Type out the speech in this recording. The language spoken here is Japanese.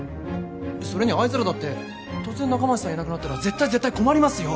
それにあいつらだって突然仲町さんいなくなったら絶対絶対困りますよ